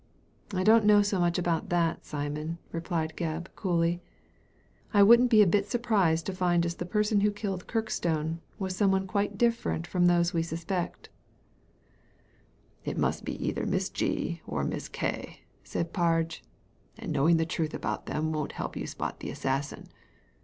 " I don't know so much about that, Simon," replied Gebb, coolly. " I wouldn't be a bit surprised to find as the person who killed Kirkstone was some one quite different from those we suspect" Digitized by Google THE UNEXPECTED OCCURS 199 ''It must be either Miss G. or Miss K./' said PargCy ''and knowing the truth about them won't help you to spot the assassin.